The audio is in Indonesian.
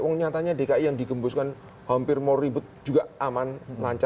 tapi wang nyatanya dki yang digembuskan hampir moribut juga aman